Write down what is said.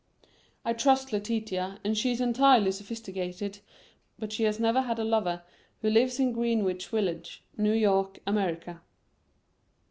I trust Letitia and she is entirely sophisticated, but she has never had a lover who lives in Greenwich Village, New York, America.